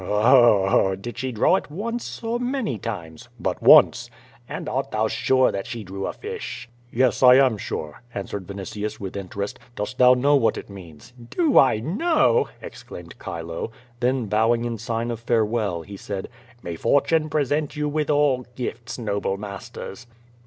0! o! Did she draw it once or many times?" "But once." "And art thou sure that she drew a fish?" "Yes, I am sure," answered Vinitius, with interest. 'TDost thou know what it means?" "Do I know!" exclaimed Chilo. Then bowing in sign of farewell, he said, "May fortune present you with all gifts, noble masters."